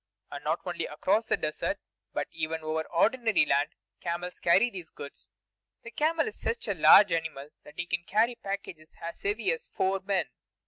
And not only across the desert, but even over ordinary land camels carry these goods. The camel is such a large animal that he can carry packages as heavy as four men.